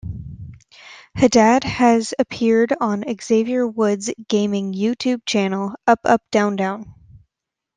Haddad has appeared on Xavier Woods' gaming YouTube channel "UpUpDownDown".